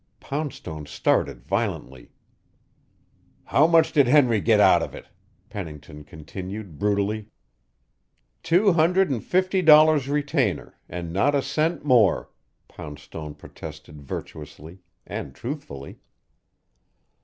Poundstone started violently. "How much did Henry get out of it?" Pennington continued brutally. "Two hundred and fifty dollars retainer, and not a cent more," Poundstone protested virtuously and truthfully.